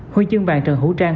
huy chương vàng trần hữu trang